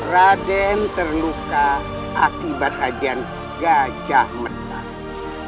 raden terluka akibat kajian gajah mentang